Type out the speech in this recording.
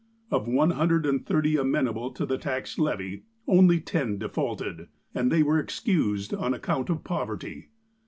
Of one hundred and thirty amenable to the tax levy, only ten defaulted, and they were excused on account of poverty.